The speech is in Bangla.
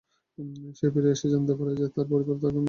সে ফিরে এসে জানতে পারে যে তার পরিবার মনে করেছে যে সে মারা গেছে।